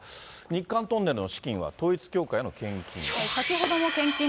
日韓トンネルの資金は統一教会への献金。